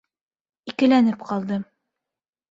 Икеләнеп ҡалдым: